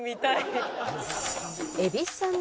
蛭子さん